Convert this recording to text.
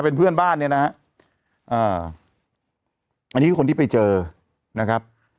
เป็นเพื่อนบ้านเนี่ยนะฮะอ่าอันนี้คือคนที่ไปเจอนะครับ